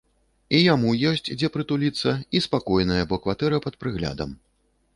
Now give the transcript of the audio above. І яму ёсць дзе прытуліцца, і спакойная, бо кватэра пад прыглядам.